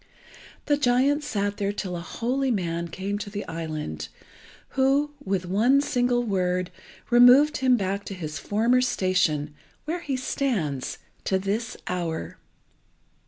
The giant sat there till a holy man came to the island, who, with one single word, removed him back to his former station, where he stands to this hour.